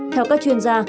theo các chuyên gia